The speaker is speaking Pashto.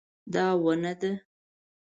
دا ونه ده